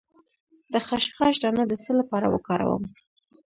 د خشخاش دانه د څه لپاره وکاروم؟